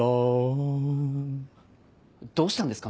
どうしたんですか？